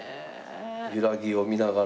揺らぎを見ながら。